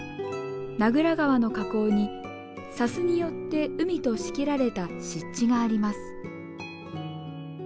名蔵川の河口に砂州によって海と仕切られた湿地があります。